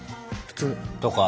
普通。